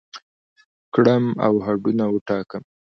کړم او هدفونه وټاکم،